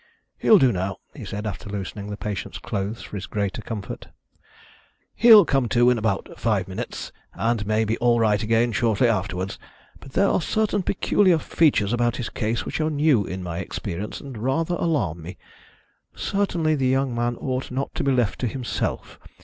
"He'll do now," he said, after loosening the patient's clothes for his greater comfort. "He'll come to in about five minutes, and may be all right again shortly afterwards. But there are certain peculiar features about this case which are new in my experience, and rather alarm me. Certainly the young man ought not to be left to himself.